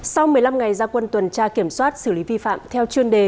sau một mươi năm ngày gia quân tuần tra kiểm soát xử lý vi phạm theo chuyên đề